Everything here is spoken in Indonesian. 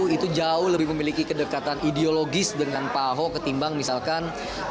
itu jauh lebih memiliki kedekatan ideologis dengan pak ahok ketimbang misalkan